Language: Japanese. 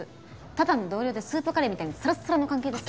ただの同僚でスープカレーみたいにサラッサラの関係です。